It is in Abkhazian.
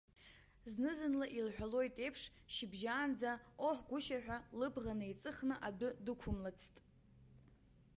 Зны-зынла илҳәалоит еиԥш, шьыбжьаанӡа, оҳ гәышьа ҳәа лыбӷа неиҵыхны адәы дықәымлацт.